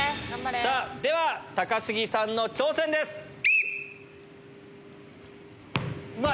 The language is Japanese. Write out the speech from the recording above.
さあ、では高杉さんの挑戦でうまい！